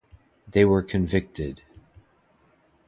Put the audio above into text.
They were convicted.